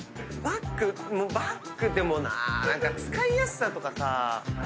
バッグでもな使いやすさとかさ。